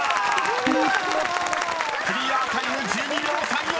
［クリアタイム１２秒３４］